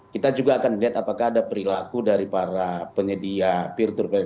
kita juga akan lihat apakah ada perilaku dari para penyedia pinjaman